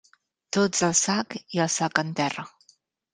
Tots al sac, i el sac en terra.